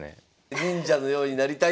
忍者のようになりたい。